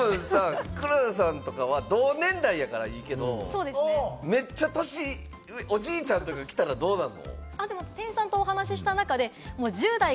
これ黒田さんとかは同年代やからいいけど、めっちゃ歳、おじいちゃんとか来たら、どうなん？